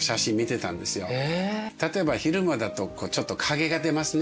例えば昼間だとちょっと影が出ますね。